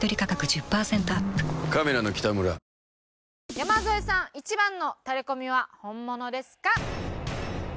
山添さん１番のタレコミは本物ですか？